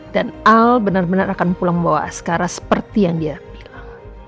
dan al benar benar akan membawa pulang askara seperti yang dia bilang